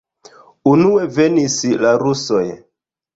Unue venis la rusoj.